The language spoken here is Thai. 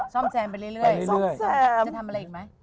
ซ่อมแซมไปเรื่อย